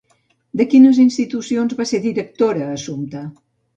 De quines institucions va ser directora Assumpta?